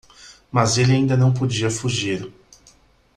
Mas ele ainda não podia fugir.